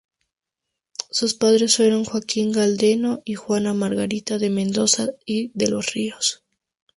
Sus padres fueron Joaquín Galdeano y Juana Margarita de Mendoza y de los Ríos.